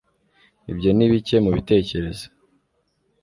ibyo ni bike mubitekerezo